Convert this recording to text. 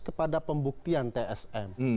kepada pembuktian tsm